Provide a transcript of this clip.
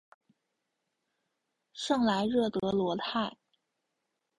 圣莱热德罗泰。